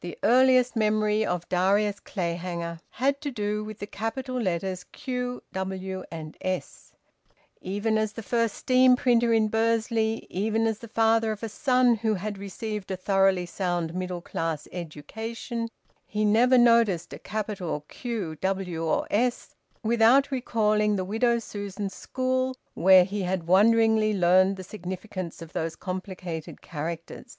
The earliest memory of Darius Clayhanger had to do with the capital letters Q W and S. Even as the first steam printer in Bursley, even as the father of a son who had received a thoroughly sound middle class education, he never noticed a capital Q W or S without recalling the Widow Susan's school, where he had wonderingly learnt the significance of those complicated characters.